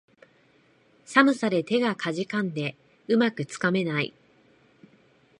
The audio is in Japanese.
寒さで手がかじかんで、うまくつかめない